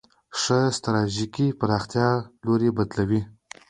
ښه ستراتیژي د پراختیا لوری بدلوي.